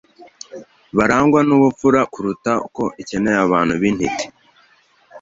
barangwa n’ubupfura kuruta uko ikeneye abantu b’intiti.